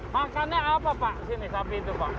makannya apa pak sini sapi itu pak